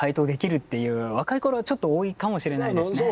若い頃はちょっと多いかもしれないですね。